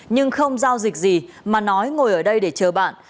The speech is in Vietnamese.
nhưng không giao dịch gì mà nói ngồi ở đây để chờ bạn